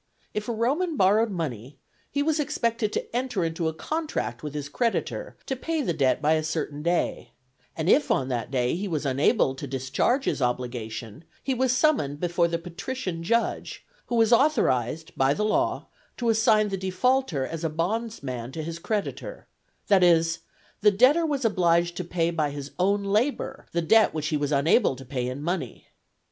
If a Roman borrowed money, he was expected to enter into a contract with his creditor to pay the debt by a certain day; and if on that day he was unable to discharge his obligation, he was summoned before the patrician judge, who was authorized by the law to assign the defaulter as a bonds man to his creditor that is, the debtor was obliged to pay by his own labor the debt which he was unable to pay in money.